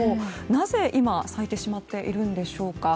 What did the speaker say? なぜ今咲いてしまっているんでしょうか。